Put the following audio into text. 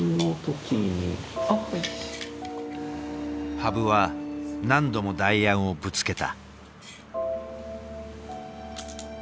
羽生は何度も代案をぶつけた。